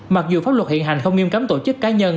mặc dù pháp luật hiện hành không nghiêm cấm tổ chức cá nhân